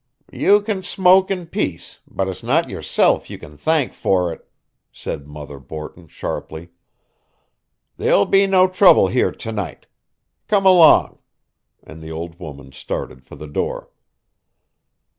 "You can smoke in peace, but it's not yourself you can thank for it," said Mother Borton sharply. "There'll be no trouble here to night. Come along." And the old woman started for the door.